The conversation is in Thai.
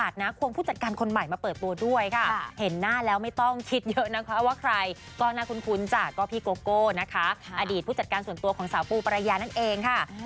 อ้าวจีบได้เลยค่ะขายของ